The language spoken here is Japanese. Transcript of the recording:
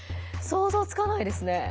想像つかないですね。